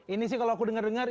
ini sih kalau aku dengar dengar